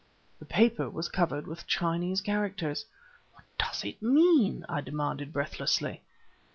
The paper was covered with Chinese characters! "What does it mean?" I demanded breathlessly.